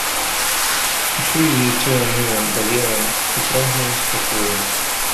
Усё яе цела ныла, балела і прагнула спакою.